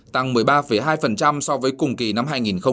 tăng một mươi ba hai so với cùng kỳ năm hai nghìn một mươi tám